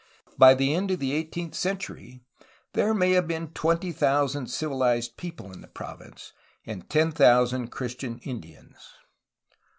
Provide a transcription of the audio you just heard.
By the end of the eighteenth century there may have been 20,000 civilized people in the province, and 10,000 Christian Indians.